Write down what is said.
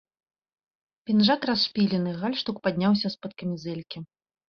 Пінжак расшпілены, гальштук падняўся з-пад камізэлькі.